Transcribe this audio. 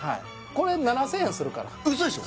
これ７０００円するからウソでしょ！？